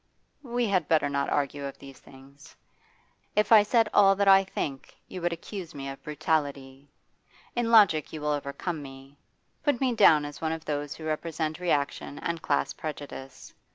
'We had better not argue of these things. If I said all that I think you would accuse me of brutality. In logic you will overcome me. Put me down as one of those who represent reaction and class prejudice.